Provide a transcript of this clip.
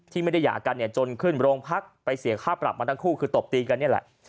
ที่ไม่ได้หยากกันจนขึ้นโรงพักษณ์ไปเสียค่าปรับมาทั้งคู่คือตบตีนกันเนี่ยล่ะ